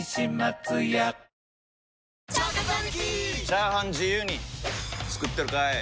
チャーハン自由に作ってるかい！？